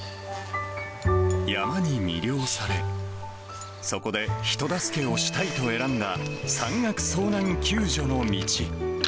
山に魅了され、そこで人助けをしたいと選んだ、山岳遭難救助の道。